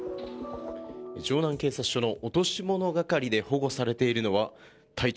城南警察署の落とし物係で保護されているのは体長